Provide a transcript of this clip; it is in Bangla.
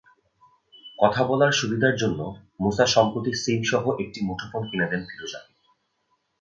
কথা বলার সুবিধার জন্য মুসা সম্প্রতি সিমসহ একটি মুঠোফোন কিনে দেন ফিরোজাকে।